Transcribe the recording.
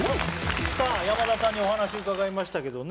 さあ山田さんにお話伺いましたけどね。